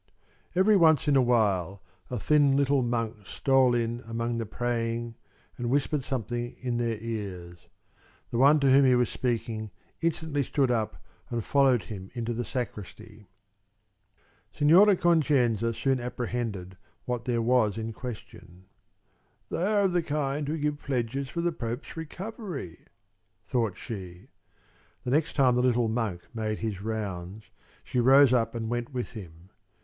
Every once in a while a thin little monk stole in among the praying and whispered something in their ears. The one to whom he was speaking instantly stood up and followed him into the sacristy. Signora Concenza soon apprehended what there was in question. "They are of the kind who give pledges for the Pope's recovery," thought she. The next time the little monk made his rounds, she rose up and went with him.